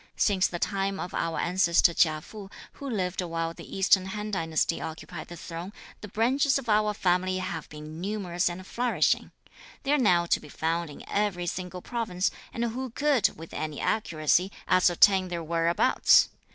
Since the time of our ancestor Chia Fu, who lived while the Eastern Han dynasty occupied the Throne, the branches of our family have been numerous and flourishing; they are now to be found in every single province, and who could, with any accuracy, ascertain their whereabouts?